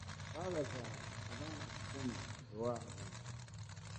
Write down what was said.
Babazaala abaana kumi ewabwe.